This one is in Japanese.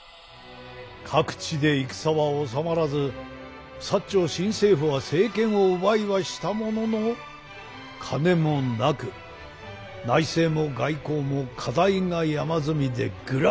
各地で戦は収まらず長新政府は政権を奪いはしたものの金もなく内政も外交も課題が山積みでグラグラだ。